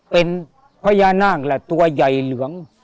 เป็นพญานาคแหละตัวใหญ่เหลือง